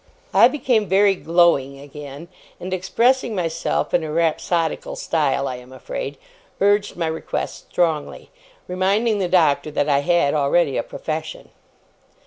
I became very glowing again, and, expressing myself in a rhapsodical style, I am afraid, urged my request strongly; reminding the Doctor that I had already a profession.